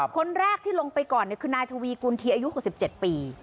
คนแรกที่ลงไปก่อนคือนายทวีกุลทีอายุ๖๗ปี